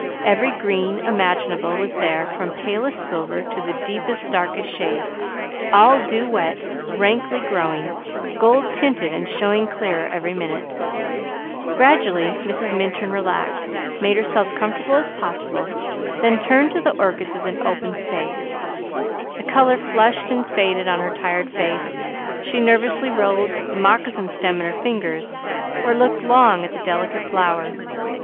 Every green imaginable was there from palest silver to the deepest, darkest shades; all dew wet, rankly growing, gold tinted and showing clearer each minute. Gradually Mrs. Minturn relaxed, made herself comfortable as possible, then turned to the orchids of the open space. The colour flushed and faded on her tired face, she nervously rolled the moccasin stem in her fingers, or looked long at the delicate flower.